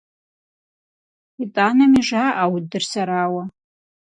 ИтӀанэми жаӀэ удыр сэрауэ!